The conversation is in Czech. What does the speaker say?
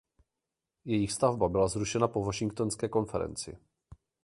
Jejich stavba byla zrušena po Washingtonské konferenci.